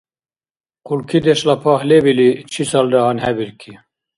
Хъулкидешла пагь леб или чисалра гьанхӀебирки.